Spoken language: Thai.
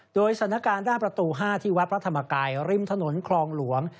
โดยสถานการณ์ด้านประตู๕ที่วัดพระธรรมกายริมถนนคลองหลวง